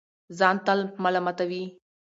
ځان تل ملامتوي